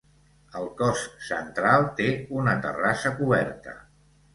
El cos central té una terrassa coberta.